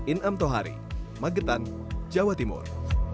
inam tohari magetan jawa timur